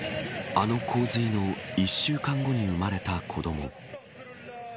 あの洪水の１週間後に生まれた子ども。